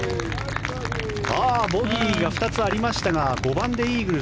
ボギーが２つありましたが５番でイーグル。